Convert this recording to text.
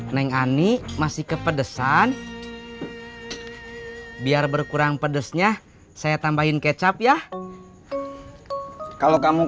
hai neng ani masih kepedesan biar berkurang pedesnya saya tambahin kecap ya kalau kamu